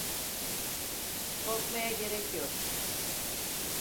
Korkmaya gerek yok.